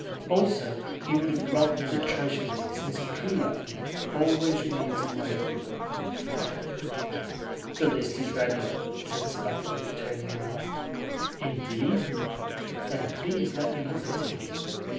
Also, you would have robbed the Treasury, since a kulak always remains a money grubber." "The list is ready," said Sobakevitch, turning round. "Indeed? Then please let me look at it."